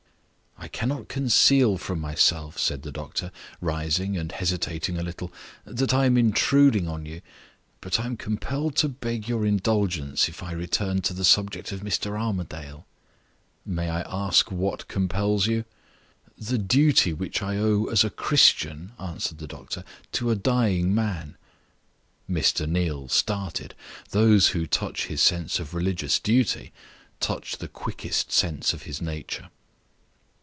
"I cannot conceal from myself," said the doctor, rising, and hesitating a little, "that I am intruding on you. But I am compelled to beg your indulgence if I return to the subject of Mr. Armadale." "May I ask what compels you?" "The duty which I owe as a Christian," answered the doctor, "to a dying man." Mr. Neal started. Those who touched his sense of religious duty touched the quickest sense in his nature.